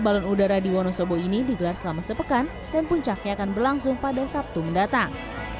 balon udara di wonosobo ini digelar selama sepekan dan puncaknya akan berlangsung pada sabtu mendatang